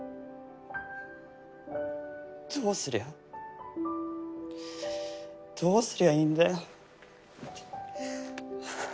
どうすりゃどうすりゃいいんだよ。